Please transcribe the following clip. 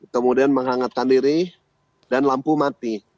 kemudian menghangatkan diri dan lampu mati